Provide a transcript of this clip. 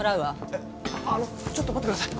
えっあのちょっと待ってください。